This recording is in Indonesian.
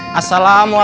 baru salam kang